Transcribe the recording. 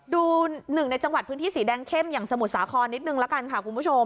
ดูหนึ่งในจังหวัดพื้นที่สีแดงเข้มอย่างสมุทรสาครนิดนึงละกันค่ะคุณผู้ชม